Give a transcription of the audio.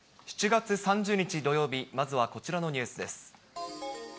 ７月３０日土曜日、まずはこちらのニュースです。